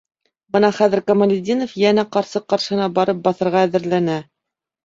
Бына хәҙер Камалетдинов йәнә ҡарсыҡ ҡаршыһына барып баҫырға әҙерләнә.